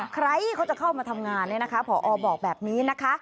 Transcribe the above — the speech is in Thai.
ใครเขาจะเข้ามาทำงานเนี่ยนะคะผอบอกแบบนี้นะคะ